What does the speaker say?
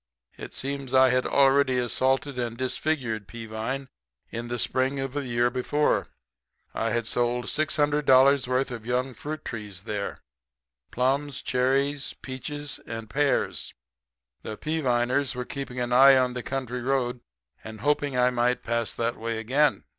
It seems I had already assaulted and disfigured Peavine the spring of the year before. I had sold $600 worth of young fruit trees there plums, cherries, peaches and pears. The Peaviners were keeping an eye on the country road and hoping I might pass that way again.